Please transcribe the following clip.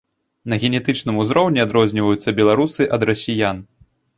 На генетычным узроўні адрозніваюцца беларусы ад расіян.